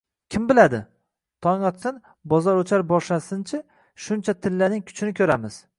– Kim biladi? Tong otsin, bozor-o‘char boshlansin-chi, shuncha tillaning kuchini ko‘ramiz…